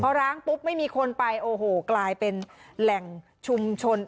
ร้างปุ๊บไม่มีคนไปโอ้โหกลายเป็นแหล่งชุมชน